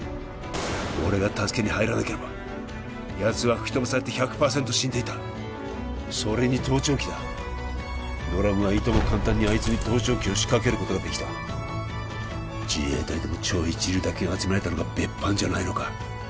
俺が助けに入らなければやつは吹き飛ばされて１００％死んでいたそれに盗聴器だドラムはいとも簡単にあいつに盗聴器を仕掛けることができた自衛隊でも超一流だけが集められたのが別班じゃないのか？